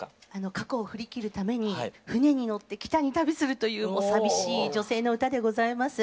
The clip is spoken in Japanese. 過去を振り切るために船に乗って北に旅するという寂しい女性の歌でございます。